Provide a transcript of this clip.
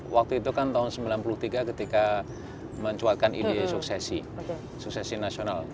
waktu itu kan tahun seribu sembilan ratus sembilan puluh tiga ketika mencuatkan ide suksesi suksesi nasional